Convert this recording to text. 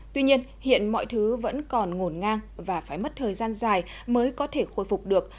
tuy nhiên hiện mọi thứ vẫn còn ngồn ngang và phải mất thời gian dài mới có thể khôi phục được